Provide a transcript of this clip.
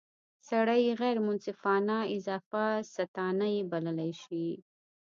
سړی یې غیر منصفانه اضافه ستانۍ بللای شي.